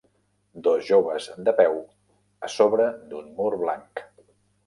Dos joves de peu a sobre d'un mur blanc.